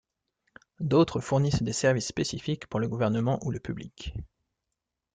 D'autres fournissent des services spécifiques pour le gouvernement ou le public.